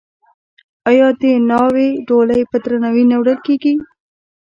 آیا د ناوې ډولۍ په درناوي نه وړل کیږي؟